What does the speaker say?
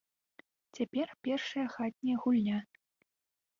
Цяпер першая хатняя гульня.